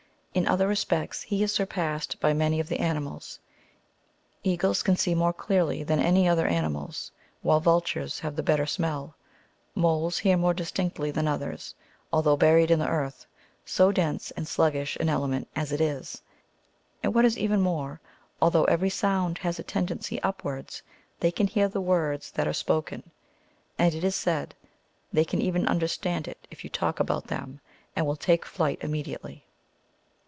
In other respects, he is surpassed by many of the animals. Eagles can see more clearly than any other animals, while vultures have the better smell ; moles hear more *9 See the following Book. Chap. 90.] riSn THAT 1L±TL TR2 FLN'EST SE> SE OF BMELL. 547 distinctlT than others, alihough huried in the earth, so dense and shiggish an element as it is ; and what is even more, although every sound has a tendency upwards, they can hear the words that are spoken ; and, it is said, they can even understand it if you talk about them, and will take to flight immediately.